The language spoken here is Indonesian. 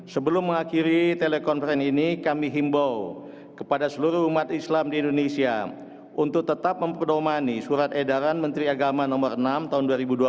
sebelum mengakhiri telekonferensi ini kami himbau kepada seluruh umat islam di indonesia untuk tetap memperdomani surat edaran menteri agama nomor enam tahun dua ribu dua puluh